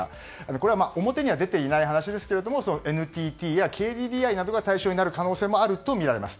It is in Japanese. これは表には出ていない話ですがＮＴＴやＫＤＤＩなどが対象になる可能性もあるとみられます。